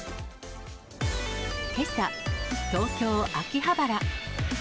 けさ、東京・秋葉原。